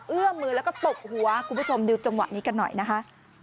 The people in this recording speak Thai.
เอื้อมมือแล้วก็ตบหัวคุณผู้ชมดูจังหวะนี้กันหน่อยนะคะ